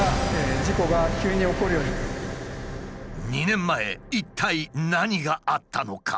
２年前一体何があったのか？